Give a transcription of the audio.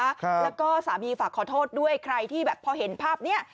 ครับแล้วก็สามีฝากขอโทษด้วยใครที่แบบพอเห็นภาพเนี้ย